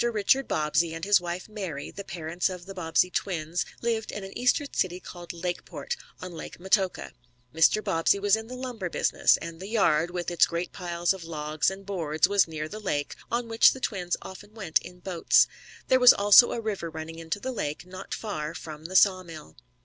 Richard Bobbsey, and his wife Mary, the parents of the Bobbsey twins, lived in an Eastern city called Lakeport, on Lake Metoka. Mr. Bobbsey was in the lumber business, and the yard, with its great piles of logs and boards, was near the lake, on which the twins often went in boats. There was also a river running into the lake, not far from the saw mill.